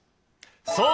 そう